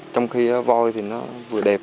trong khi voi thì nó vừa đẹp